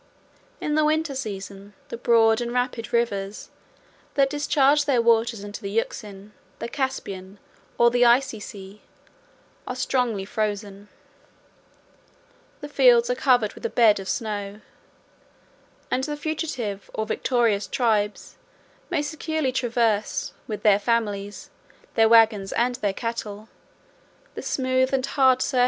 11 In the winter season, the broad and rapid rivers, that discharge their waters into the Euxine, the Caspian, or the Icy Sea, are strongly frozen; the fields are covered with a bed of snow; and the fugitive, or victorious, tribes may securely traverse, with their families, their wagons, and their cattle, the smooth and hard surface of an immense plain.